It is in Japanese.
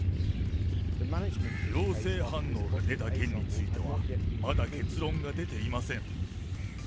陽性反応が出た件については、まだ結論が出ていません。